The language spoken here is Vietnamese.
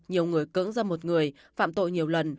nhiều người cưỡng ra một người phạm tội nhiều lần